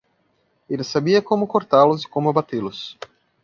Ele sabia como cortá-los e como abatê-los.